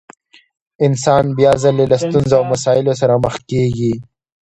انسان بيا ځلې له ستونزو او مسايلو سره مخ کېږي.